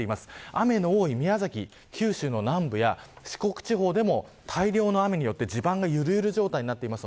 雨の多い宮崎、九州の南部や四国地方でも、大量の雨によって地盤がゆるゆる状態になっています。